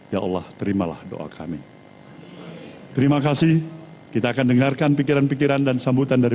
ya allah terimalah doa kami terima kasih kita akan dengarkan pikiran pikiran dan sambutan dari